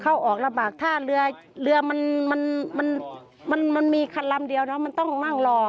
เข้าออกลำบากถ้าเรือเรือมันมันมีคันลำเดียวเนอะมันต้องนั่งรอ